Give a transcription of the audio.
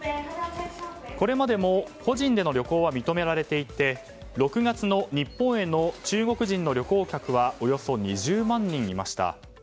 これまでも個人での旅行は認められていて６月の日本への中国人の旅行客はおよそ２０万人いました。